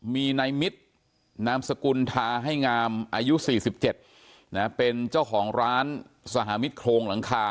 มีนายมิตรนามสกุลทาให้งามอายุ๔๗เป็นเจ้าของร้านสหมิตรโครงหลังคา